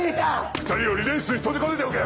２人をリネン室に閉じ込めておけ！